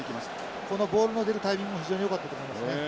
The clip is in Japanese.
このボールの出るタイミングも非常に良かったと思いますね。